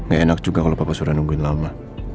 gak enak juga kalau bapak sudah nungguin lama